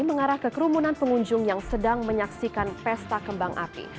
mengarah ke kerumunan pengunjung yang sedang menyaksikan pesta kembang api